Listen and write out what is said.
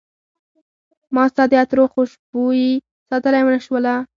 ما ستا د عطرو خوشبوي ساتلی ونه شوله